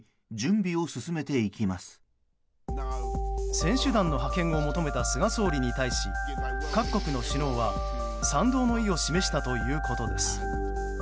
選手団の派遣を求めた菅総理に対し各国の首脳は賛同の意を示したということです。